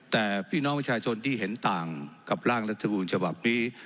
แต่พี่น้องประชาชนที่เห็นต่างกับร่างรัฐมนูญฉบับนี้